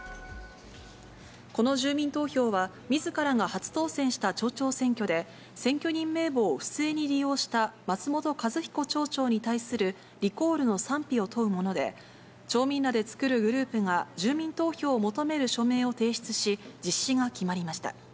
この住民投票は、みずからが初当選した町長選挙で、選挙人名簿を不正に利用した松本一彦町長に対するリコールの賛否を問うもので、町民らで作るグループが住民投票を求める署名を提出し、実施が決まりました。